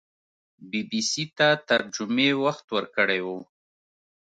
بي بي سي ته تر جمعې وخت ورکړی وو